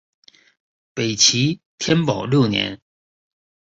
北齐天保六年。